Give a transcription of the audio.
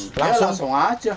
ya langsung aja